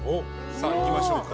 さあいきましょうか。